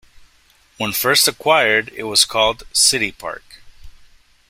When first acquired, it was called "City Park".